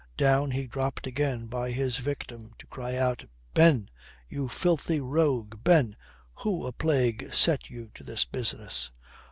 Down he dropped again by his victim to cry out "Ben! You filthy rogue! Ben! Who a plague set you to this business?"